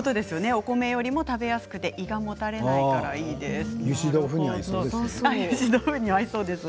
お米よりも食べやすくて胃がもたれないからいいですよということです。